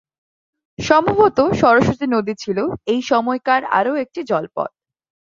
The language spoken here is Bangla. সম্ভবত, সরস্বতী নদী ছিল এই সময়কার আরও একটি জলপথ।